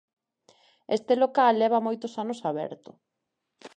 Este local leva moitos anos aberto.